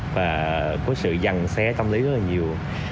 và có sự dằn xé tâm lý rất là nhiều